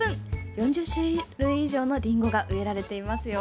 ４０種類以上のりんごが植えられていますよ。